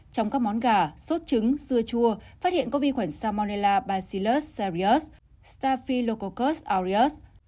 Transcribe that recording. trong các món gà sốt trứng dưa chua phát hiện có vi khuẩn salmonella bacillus aureus staphylococcus aureus